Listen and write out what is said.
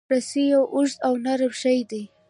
رسۍ یو اوږد او نرم شی دی.